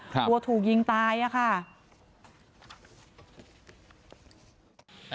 ครับว่าถูกยิงตายอ่ะค่ะ